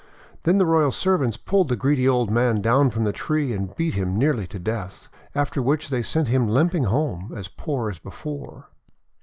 Then the royal servants pulled the greedy old man down from the tree, and beat him nearly to death; after which they sent him limping home, as poor as before.